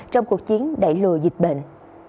trong cuộc chiến đẩy lùa dịch bệnh